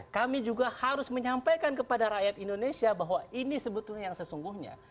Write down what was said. kami juga harus menyampaikan kepada rakyat indonesia bahwa ini sebetulnya yang sesungguhnya